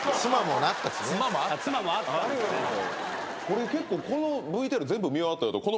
これ結構このＶＴＲ全部見終わった後。